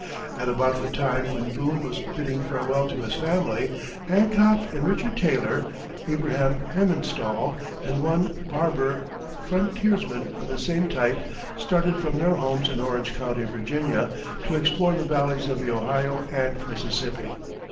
At about the time when Boone was bidding farewell to his family, Hancock and Richard Taylor, Abraham Hempinstall, and one Barbour, frontiersmen of the same type, started from their homes in Orange County, Va., to explore the valleys of the Ohio and Mississippi.